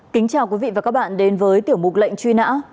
kính chào quý vị và các bạn đến với tiểu mục lệnh truy nã